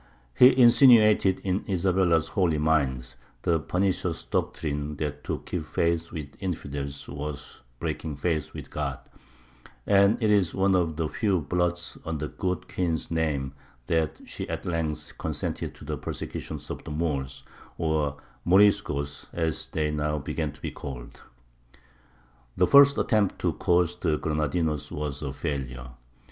He insinuated in Isabella's holy mind the pernicious doctrine that to keep faith with infidels was breaking faith with God; and it is one of the few blots on the good queen's name that she at length consented to the persecution of the Moors or "Moriscos," as they now began to be called. The first attempt to coerce the Granadinos was a failure.